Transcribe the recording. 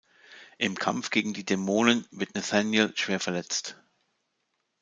Im Kampf gegen die Dämonen wird Nathanael schwer verletzt.